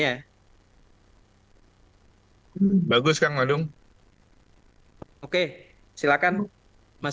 pertanyaannya seputar persiapan pertandingan indonesia jelang melawan guinea